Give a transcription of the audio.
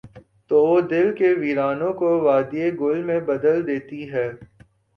تو وہ دل کے ویرانوں کو وادیٔ گل میں بدل دیتی ہے۔